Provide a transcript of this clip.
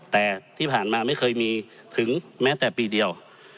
แต่ที่ผ่านมาไม่เคยมีถึงแม้แต่ปีเดียว